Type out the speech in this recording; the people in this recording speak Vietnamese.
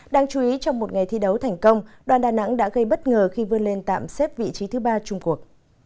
đáng chú ý trong một ngày thi đấu thành công đoàn đà nẵng đã gây bất ngờ khi vươn lên tạm xếp vị trí thứ ba trung quốc